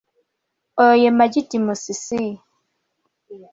Oyo ye Magid Musisi.